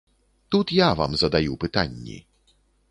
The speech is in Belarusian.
Тут я вам задаю пытанні.